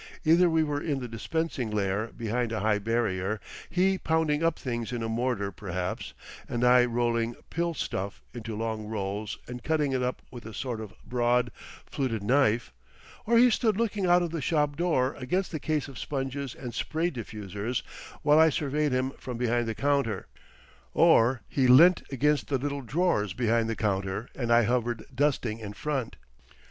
Either we were in the dispensing lair behind a high barrier, he pounding up things in a mortar perhaps, and I rolling pill stuff into long rolls and cutting it up with a sort of broad, fluted knife, or he stood looking out of the shop door against the case of sponges and spray diffusers, while I surveyed him from behind the counter, or he leant against the little drawers behind the counter, and I hovered dusting in front.